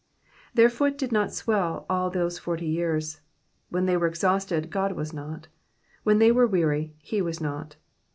Their foot did not swell all those forty years. When they were exhausted, God was not. When they were weary. He was not.